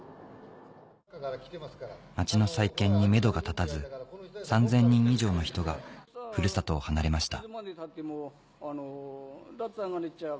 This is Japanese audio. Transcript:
町の再建にめどが立たず３０００人以上の人がふるさとを離れました